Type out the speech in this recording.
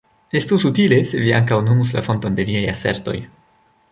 Estus utile, se vi ankaŭ nomus la fonton de viaj asertoj.